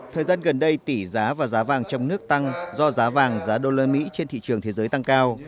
thời gian gần đây tỷ giá và giá vàng trong nước tăng do giá vàng giá đô la mỹ trên thị trường thế giới tăng cao